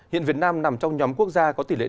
hiện việt nam nằm trong nhóm quốc gia có tỷ lệ